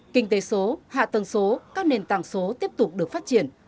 kinh tế số hạ tầng số các nền tảng số tiếp tục được phát triển